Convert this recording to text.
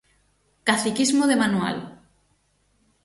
Caciquismo de manual.